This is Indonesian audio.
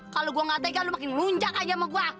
kalau gua nggak tega lu makin lunjak aja sama gua